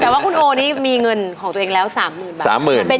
แต่ว่าคุณโอะนี่มีเงินของตัวเองแล้วสามหมื่นสามหมื่น